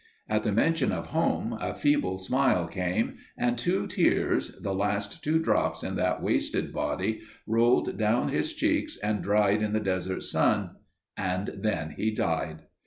At the mention of home, a feeble smile came, and two tears, the last two drops in that wasted body, rolled down his cheeks and dried in the desert sun and then he died.